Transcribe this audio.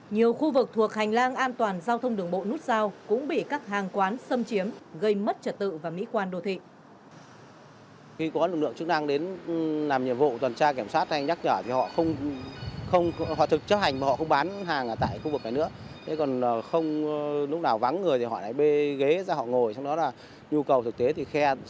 nhiều khu vực thuộc hành lang an toàn giao thông đường bộ nút giao cũng bị các hàng quán xâm chiếm gây mất trật tự và mỹ quan đồ thị